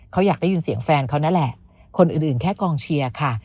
เขาอยากได้ยินเสียงแฟนเขานั่นแหละคนอื่นแค่กองเชียร์ค่ะ